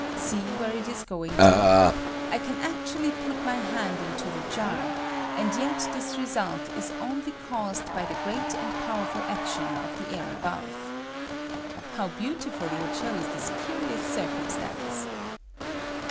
See where it is going to : I can actually put my hand into the jar ; and yet this r^ult is only caused by the great and powerful action of the air above. How beautifully it shows this cu rious circumstance